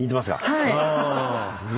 はい。